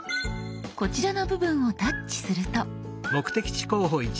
こちらの部分をタッチすると。